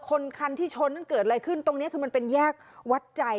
คันคันที่ชนนั้นเกิดอะไรขึ้นตรงนี้คือมันเป็นแยกวัดใจ